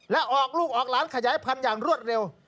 และออกลูกออกหลานขยายพันธุ์อย่างรวดเร็ว